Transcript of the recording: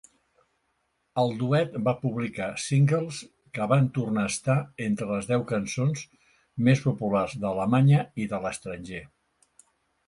El duet va publicar singles que van tornar a estar entre les deu cançons més populars d'Alemanya i de l'estranger.